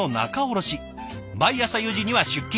毎朝４時には出勤。